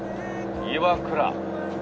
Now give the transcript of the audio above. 岩倉。